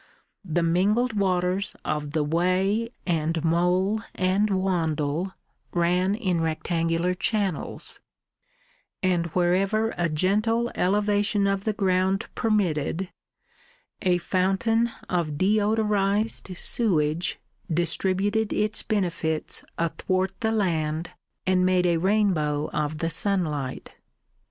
The mingled waters of the Wey and Mole and Wandle ran in rectangular channels; and wherever a gentle elevation of the ground permitted a fountain of deodorised sewage distributed its benefits athwart the land and made a rainbow of the sunlight.